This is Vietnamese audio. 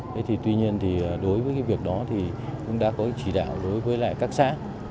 thế thì tuy nhiên thì đối với cái việc đó thì cũng đã có chỉ đạo đối với lại các xã